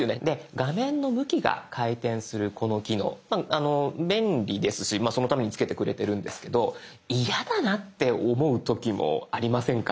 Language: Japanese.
画面の向きが回転するこの機能便利ですしそのためにつけてくれてるんですけど嫌だなって思う時もありませんか？